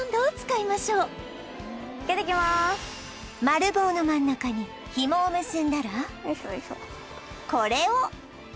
丸棒の真ん中にひもを結んだらこれを